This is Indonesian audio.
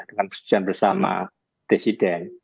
dengan persisian bersama desiden